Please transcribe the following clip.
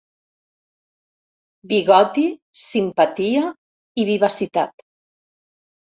Bigoti, simpatia i vivacitat.